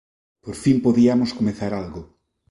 Por fin podiamos comezar algo.